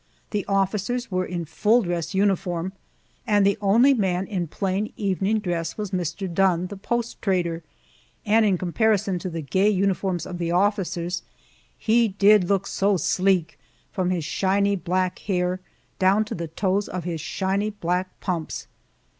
The officers Were in full dress uniform, and the only man in plain evening dress was Mr. Dunn, the post trader, and in comparison to the gay uniforms of the officers he did look so sleek, from his shiny black hair down to the toes of his shiny black pumps!